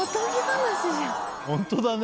ホントだね。